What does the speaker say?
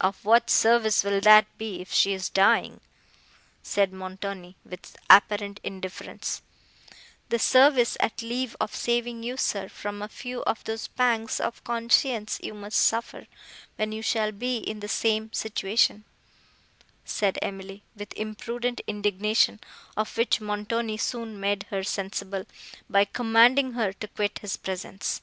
"Of what service will that be, if she is dying?" said Montoni, with apparent indifference. "The service, at leave, of saving you, sir, from a few of those pangs of conscience you must suffer, when you shall be in the same situation," said Emily, with imprudent indignation, of which Montoni soon made her sensible, by commanding her to quit his presence.